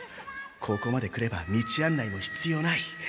ここまで来れば道案内もひつようない。